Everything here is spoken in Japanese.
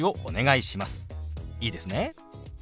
いいですね？